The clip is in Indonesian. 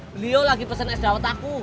beliau lagi pesen es daun taku